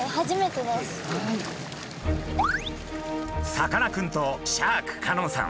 さかなクンとシャーク香音さん。